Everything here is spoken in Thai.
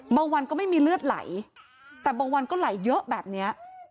บางวันก็ไม่มีเลือดไหลแต่บางวันก็ไหลเยอะแบบนี้